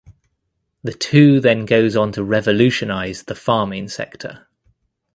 The two then goes on to revolutionize the farming sector.